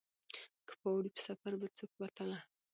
که په اوړي په سفر به څوک وتله